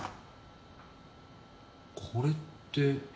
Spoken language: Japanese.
これって。